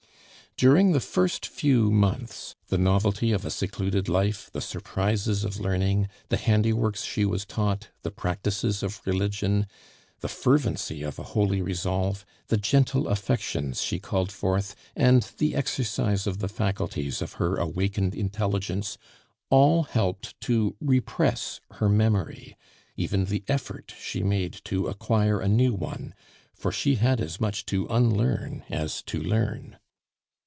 During the first few months the novelty of a secluded life, the surprises of learning, the handiworks she was taught, the practices of religion, the fervency of a holy resolve, the gentle affections she called forth, and the exercise of the faculties of her awakened intelligence, all helped to repress her memory, even the effort she made to acquire a new one, for she had as much to unlearn as to learn.